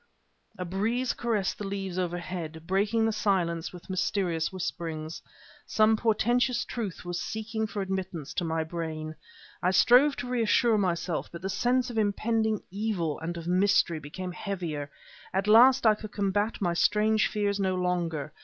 A breeze caressed the leaves overhead, breaking the silence with mysterious whisperings. Some portentous truth was seeking for admittance to my brain. I strove to reassure myself, but the sense of impending evil and of mystery became heavier. At last I could combat my strange fears no longer.